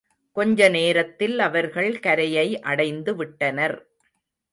கொஞ்ச நேரத்தில் அவர்கள் கரையை அடைந்துவிட்டனர்.